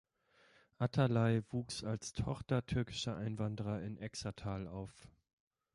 Atalay wuchs als Tochter türkischer Einwanderer in Extertal auf.